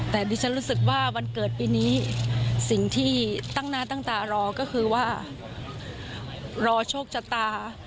แต่ดิฉันรู้สึกว่าวันเกิดปีนี้สิ่งที่ตั้งหน้าตั้งตารอก็คือว่ารอโชคชะตา